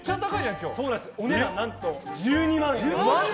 お値段何と、１２万円。